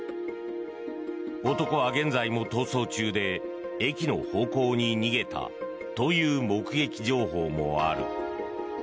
男は現在も逃走中で、駅の方向に逃げたという目撃情報もある。